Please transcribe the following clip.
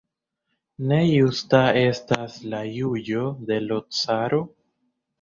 Ne justa estas la juĝo de l' caro?